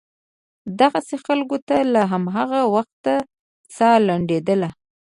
دغسې خلکو ته له هماغه وخته سا لنډېدله.